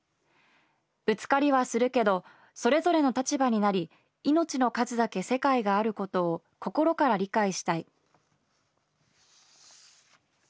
ぶつかりはするけどそれぞれの立場になり命の数だけ世界があることを心から理解したい」。